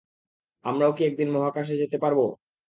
আমরাও কি একদিন মহাকাশে যেতে পারব?